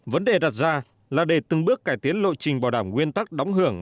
vấn đề đặt ra là để từng bước cải tiến lộ trình bảo đảm nguyên tắc đóng hưởng